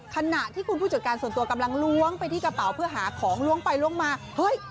ขณะที่คุณผู้จัดการส่วนตัวกำลังล้วงไปที่กระเป๋าเพื่อหาของล้วงไปล้วงมาเฮ้ย